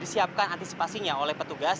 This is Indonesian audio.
disiapkan antisipasinya oleh petugas